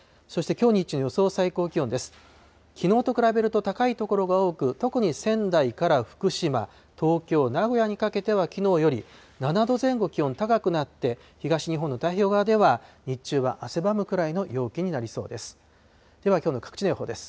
きのうと比べると高い所が多く、特に仙台から福島、東京、名古屋にかけては、きのうより７度前後気温高くなって、東日本の太平洋側では、日中は汗ばむくらいの陽気になりそうです。